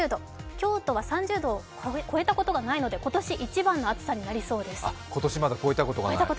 京都は３０度を超えたことがないので、今年一番の暑さになりそうです。